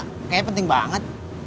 kayaknya penting banget